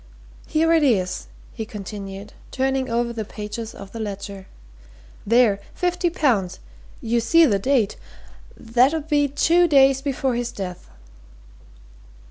Here it is," he continued, turning over the pages of the ledger. "There! 50 pounds. You see the date that 'ud be two days before his death."